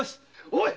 おい！